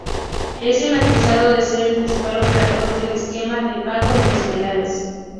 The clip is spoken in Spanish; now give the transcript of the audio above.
Él es acusado de ser el principal operador del esquema de pago de mensualidades.